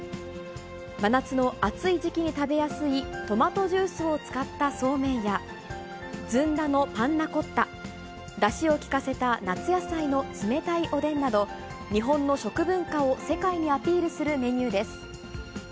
真夏の暑い時期に食べやすい、トマトジュースを使ったそうめんや、ずんだのパンナコッタ、だしを利かせた夏野菜の冷たいおでんなど、日本の食文化を世界にアピールするメニューです。